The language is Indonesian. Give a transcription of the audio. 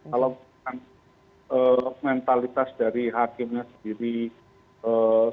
kalau mentalitas dari hakimnya sendiri